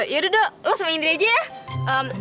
yaduk lo sampe indri aja ya